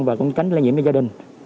và cũng tránh lây nhiễm cho gia đình